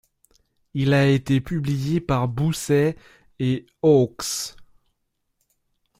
Il a été publié par Boosey & Hawkes.